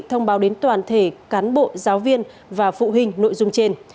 thông báo đến toàn thể cán bộ giáo viên và phụ huynh nội dung trên